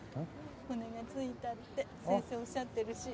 骨がついたって先生おっしゃってるし。